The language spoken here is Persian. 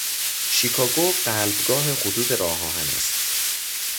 شیکاگو قلبگاه خطوط راه آهن است.